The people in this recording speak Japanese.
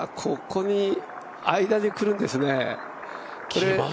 ここに、間に来るんですね。